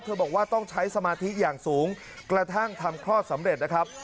บอกว่าต้องใช้สมาธิอย่างสูงกระทั่งทำคลอดสำเร็จนะครับ